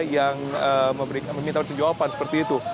yang meminta pertunjukan seperti itu